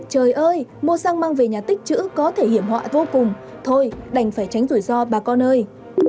trời ơi mua xăng mang về nhà tích chữ có thể hiểm họa vô cùng thôi đành phải tránh rủi ro bà con ơi